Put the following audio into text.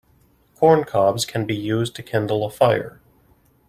Corn cobs can be used to kindle a fire.